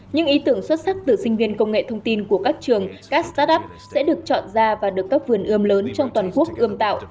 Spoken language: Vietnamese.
những ý tưởng xuất sắc từ sinh viên công nghệ thông tin của các trường các start up sẽ được chọn ra và được các vườn ươm lớn trong toàn quốc ươm tạo